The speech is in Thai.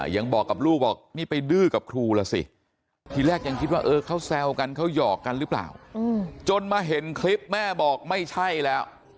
ยังบอกกับลูกบอกนี่ไปดื้อกับครูล่ะสิทีแรกยังคิดว่าเออเขาแซวกันเขาหยอกกันหรือเปล่าจนมาเห็นคลิปแม่บอกไม่ใช่แล้ว